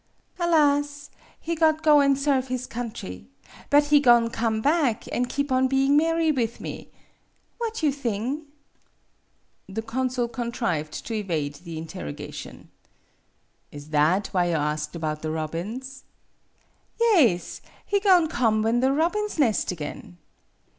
"Alas! he got go an' serve his country. But he go'n' come back, an' keep on being marry with me. What you thing ?" The consul contrived to evade the inter rogation. "Is that why you asked about the robins ?" "Yaes; he go'n' come when the robins nest again.